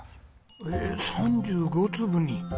へえ３５粒に。